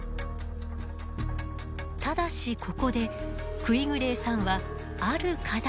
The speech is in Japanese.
ただしここでクィグレーさんはある課題を重要視しました。